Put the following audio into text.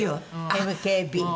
ＭＫＢ。